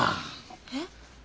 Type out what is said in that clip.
えっ？